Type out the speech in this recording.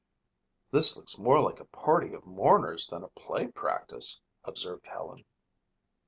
"This looks more like a party of mourners than a play practice," observed Helen.